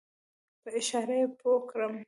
په اشاره یې پوی کړم.